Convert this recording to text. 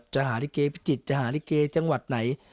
จะหาริเกพิจิตอยากหาริเกในจังหวัดไหน